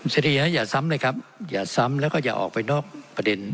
เสียอย่าซ้ำเลยครับอย่าซ้ำแล้วก็อย่าออกไปนอกประเด็น